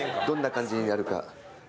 どんな感じになるか。